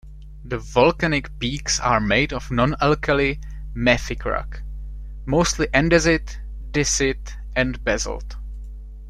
The volcanic peaks are made of non-alkali mafic rock; mostly andesite, dacite, and basalt.